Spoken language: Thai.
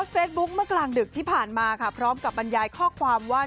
เมื่อกลางดึกที่ผ่านมาค่ะพร้อมกับบรรยายข้อความว่า